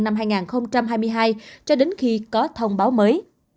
năm hai nghìn hai mươi hai cho đến khi có thông báo mới